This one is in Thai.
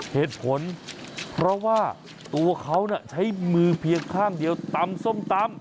เหตุผลเพราะว่าตัวเขาใช้มือเพียงข้างเดียวตำส้มตำ